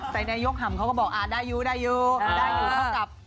แต่นายกหัมศ์เขาก็บอกได้อยู่ได้อยู่เขากลับ